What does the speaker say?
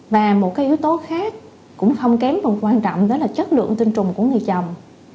và một cái yếu tố khác cũng không kém phần quan trọng đó là chất lượng tinh trùng của người chồng